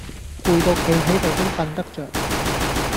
攰到企係到都訓得著